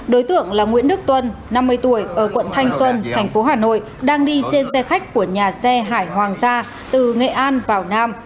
đối tượng là nguyễn đức tuân năm mươi tuổi ở quận thanh xuân thành phố hà nội đang đi trên xe khách của nhà xe hải hoàng gia từ nghệ an vào nam